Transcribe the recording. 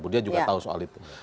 dia juga tahu soal itu